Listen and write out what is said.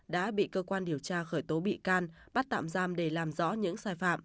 đã bị cơ quan điều tra khởi tố bị can bắt tạm giam để làm rõ những sai phạm